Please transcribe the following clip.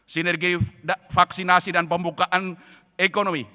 sinergi vaksinasi dan pembukaan ekonomi